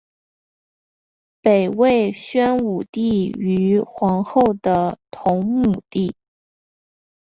北魏宣武帝于皇后的同母弟。